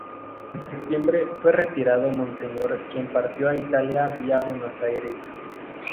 En Septiembre fue retirado Monseñor quien partió a Italia vía Buenos Aires.